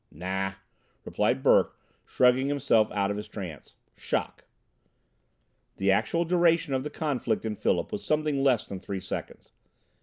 "Nah!" replied Burke, shrugging himself out of his trance. "Shock." The actual duration of the conflict in Philip was something less than three seconds.